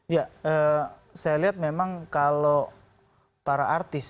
ya saya lihat memang kalau para artis